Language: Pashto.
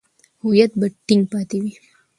هویت به ټینګ پاتې وي.